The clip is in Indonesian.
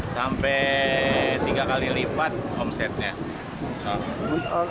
sampai tiga kali lipat omsetnya